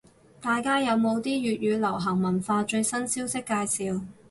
大家有冇啲粵語流行文化最新消息介紹？